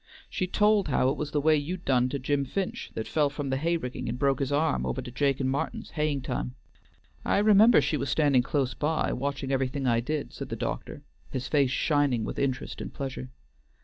She told how it was the way you'd done to Jim Finch that fell from the hay rigging and broke his arm over to Jake an' Martin's, haying time." "I remember she was standing close by, watching everything I did," said the doctor, his face shining with interest and pleasure.